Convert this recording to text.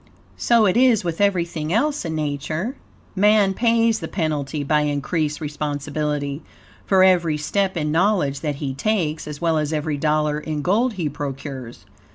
So it is with everything else in Nature. Man pays the penalty by increased responsibility, for every step in knowledge that be takes, as well as every dollar in gold be procures.